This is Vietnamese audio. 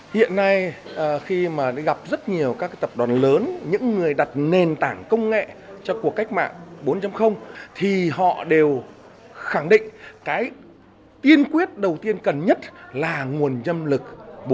đặc biệt bởi vì những người đặt nền tảng công nghệ cho cuộc cách mạng bốn họ đều khẳng định tiên quyết đầu tiên cần nhất là nguồn nhân lực bốn